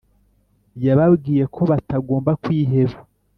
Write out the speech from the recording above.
yababwiye ko batagomba kwiheba